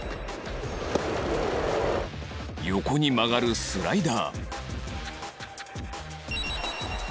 横に曲がるスライダー